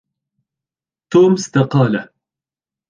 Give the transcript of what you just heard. توم استقال.